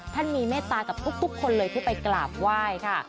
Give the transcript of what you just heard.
ท่านมีเมตตากับทุกคนเลยที่ไปกราบไหว้ค่ะ